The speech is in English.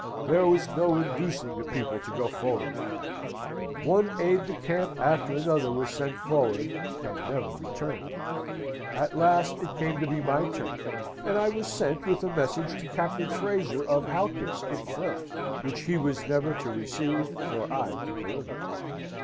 There was no inducing the people to go forward now. One aide de camp after another was sent forward, and never returned. At last it came to be my turn, and I was sent with a message to Captain Fraser of Halkett's in front, which he was never to receive nor I to deliver.